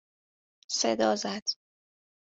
صدا زد